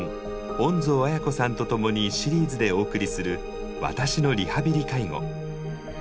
恩蔵絢子さんと共にシリーズでお送りする「私のリハビリ・介護」。